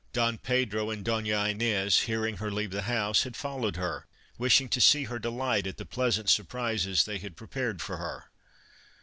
Don Pedro and Donna Inez, hearing her leave the house, had followed her, wishing to see her delight at the pleasant surprises they had prepared for her.